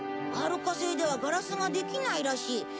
ハルカ星ではガラスができないらしい。